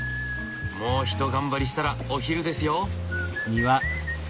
もうひと頑張りしたらお昼ですよ。